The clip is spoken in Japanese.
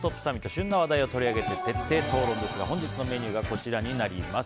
旬な話題を取り上げて徹底討論ですが本日のメニューがこちらです。